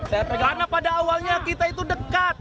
karena pada awalnya kita itu dekat